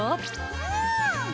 うん！